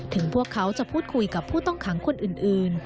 พวกเขาจะพูดคุยกับผู้ต้องขังคนอื่น